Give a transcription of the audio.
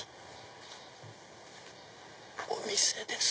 お店です。